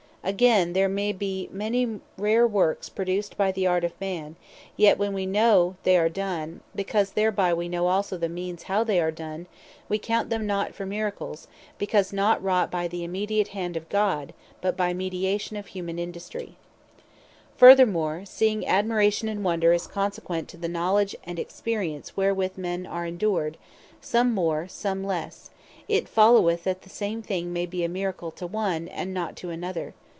Again, there be many rare works produced by the Art of man: yet when we know they are done; because thereby wee know also the means how they are done, we count them not for Miracles, because not wrought by the immediate hand of God, but by mediation of humane Industry. That Which Seemeth A Miracle To One Man, May Seem Otherwise To Another Furthermore, seeing Admiration and Wonder, is consequent to the knowledge and experience, wherewith men are endued, some more, some lesse; it followeth, that the same thing, may be a Miracle to one, and not to another.